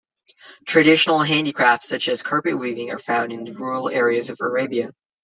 Traditional handicrafts such as carpet-weaving are found in rural areas of Arabia.